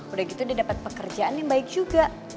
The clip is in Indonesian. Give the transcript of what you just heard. udah gitu dia dapat pekerjaan yang baik juga